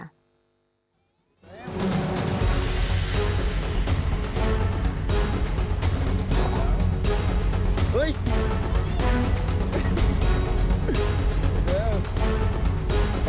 อ้าว